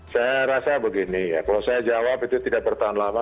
saya rasa begini ya kalau saya jawab itu tidak bertahan lama